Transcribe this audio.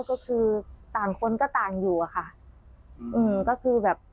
ก็คือต่างคนก็ต่างอยู่ค่ะ